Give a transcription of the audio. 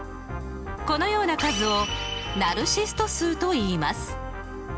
このような数をナルシスト数といいます。